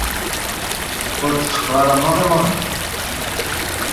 Ur tḥeqqeɣ ara maḍi maḍi.